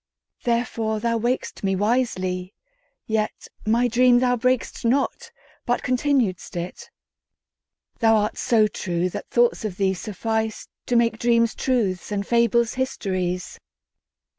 Therefore thou waked'st me wisely; yetMy dream thou brak'st not, but continued'st it:Thou art so true that thoughts of thee sufficeTo make dreams truths and fables histories.